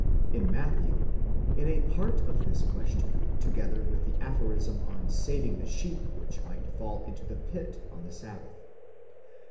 in Matthew, in a part of this question, together with the aphorism on saving the sheep which might fall into the pit on the sabbath.